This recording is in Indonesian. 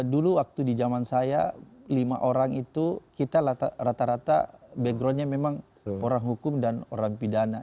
dulu waktu di zaman saya lima orang itu kita rata rata backgroundnya memang orang hukum dan orang pidana